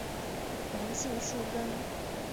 原姓粟根。